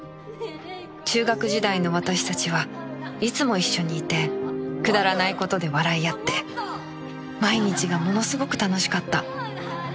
中学時代の私たちはいつも一緒にいてくだらない事で笑い合って毎日がものすごく楽しかった